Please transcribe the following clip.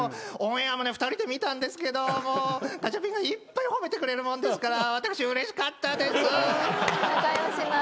オンエアもね２人で見たんですけどガチャピンがいっぱい褒めてくれるもんですから私うれしかったです。